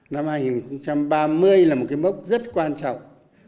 năm hai nghìn ba mươi là một cái mốc rất quan trọng